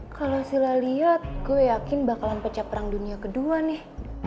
kalau sila lihat gue yakin bakalan pecah perang dunia kedua nih